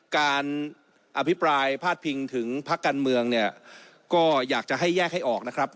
การอภิปรายพาดพิงถึงพักการเมืองเนี่ยก็อยากจะให้แยกให้ออกนะครับ